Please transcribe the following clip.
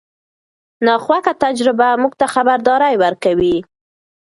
ناخوښه تجربه موږ ته خبرداری ورکوي.